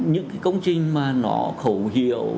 những cái công trình mà nó khẩu hiệu